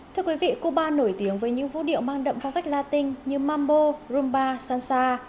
thưa quý vị cuba nổi tiếng với những vũ điệu mang đậm phong cách latin như mambo rumba sansa